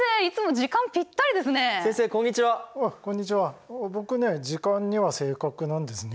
時間には正確なんですね。